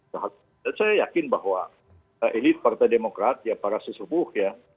saya yakin bahwa elit partai demokrat para sesubuh